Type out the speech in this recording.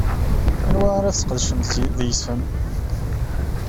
Anwa ara tesqedcemt deg-sen?